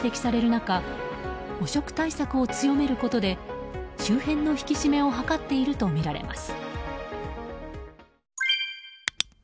中汚職対策を強めることで周辺の引き締めを図っているとみられます。